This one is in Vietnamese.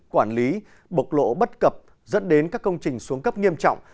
quản lý bộc lộ bất cập dẫn đến các công trình xuống cấp nghiêm trọng